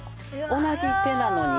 同じ手なのに。